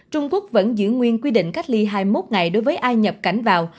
trung quốc vẫn giữ nguyên quy định cách ly hai mươi một ngày đối với ai nhập cảnh vào